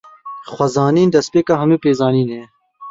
Xwezanîn, destpêka hemû pêzanînê ye.